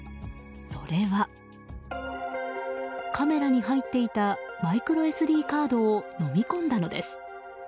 それはカメラに入っていたマイクロＳＤカードを飲み込んだのです。